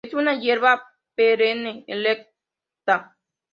Es una hierba perenne, erecta.